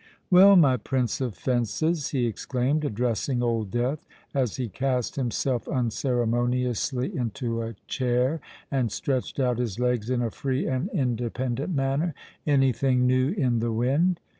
"Well, my prince of fences," he exclaimed, addressing Old Death, as he cast himself unceremoniously into a chair, and stretched out his legs in a free and independent manner, "any thing new in the wind?"